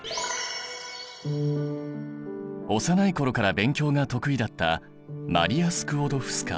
幼い頃から勉強が得意だったマリア・スクウォドフスカ。